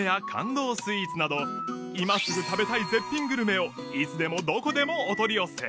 スイーツなど今すぐ食べたい絶品グルメをいつでもどこでもお取り寄せ